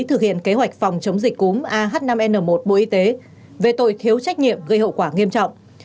thực hiện kế hoạch phòng chống dịch cúm ah năm n một bộ y tế về tội thiếu trách nhiệm gây hậu quả nghiêm trọng